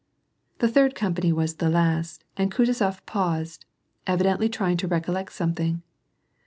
The third company was the last and Kutuzof paused, evi dently trying to recollect something.